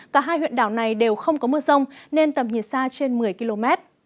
cả hai huyện đảo này đều không có mưa rông nên tầm nhìn xa trên một mươi km